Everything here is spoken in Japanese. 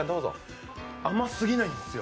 甘すぎないんですよ。